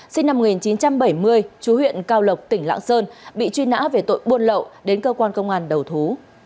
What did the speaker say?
sinh năm một nghìn chín trăm bảy mươi chú huyện cao lộc tỉnh lạng sơn bị truy nã về tội buôn lậu đến cơ quan công an đầu thú